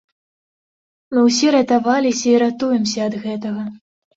Мы ўсе ратаваліся і ратуемся ад гэтага.